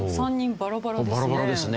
バラバラですね。